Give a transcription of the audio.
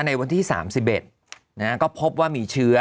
ในวันที่สามสิบเอ็ดนะฮะก็พบว่ามีเชื้อ